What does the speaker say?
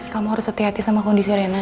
kamu harus hati hati sama kondisi rena